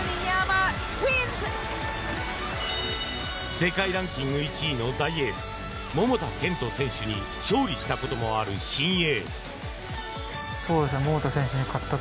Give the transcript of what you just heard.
世界ランキング１位の大エース桃田賢斗選手に勝利したこともある新鋭。